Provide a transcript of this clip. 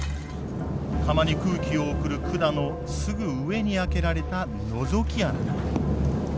釜に空気を送る管のすぐ上に開けられたのぞき穴だ。